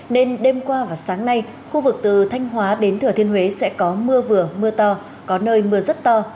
nên đêm qua và sáng nay khu vực từ thanh hóa đến thừa thiên huế sẽ có mưa vừa mưa to có nơi mưa rất to